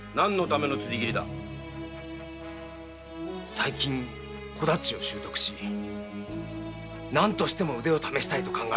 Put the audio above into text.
最近小太刀を習得し何としても腕を試したいと考え。